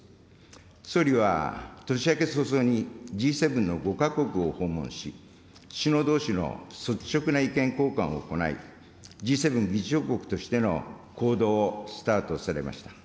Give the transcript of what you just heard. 総理は年明け早々にＧ７の５か国を訪問し、首脳どうしの率直な意見交換を行い、Ｇ７議長国としての行動をスタートされました。